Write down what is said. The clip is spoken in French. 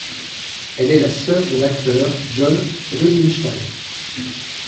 Elle est la sœur de l'acteur John Rubinstein.